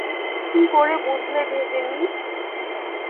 কী করে বুঝলে ঢেকে নি?